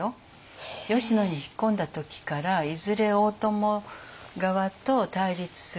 吉野に引っ込んだ時からいずれ大友側と対立すると。